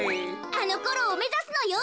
あのころをめざすのよ。